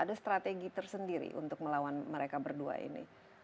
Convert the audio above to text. ada strategi tersendiri untuk melawan mereka berdua ini